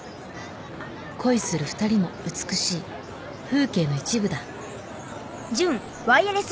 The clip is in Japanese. ［恋する２人も美しい風景の一部だ。］